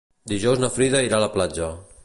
Dijous na Frida irà a la platja.